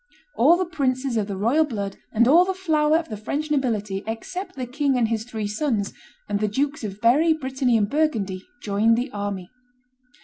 All the princes of the royal blood and all the flower of the French nobility, except the king and his three sons, and the Dukes of Berry, Brittany, and Burgundy, joined the army.